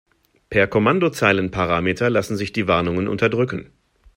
Per Kommandozeilenparameter lassen sich die Warnungen unterdrücken.